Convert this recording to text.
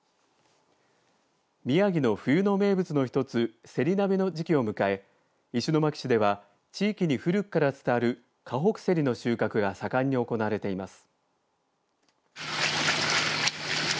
宮城の冬の名物の一つせり鍋の時期を迎え石巻市では地域に古くから伝わる河北せりの収穫が盛んに行われています。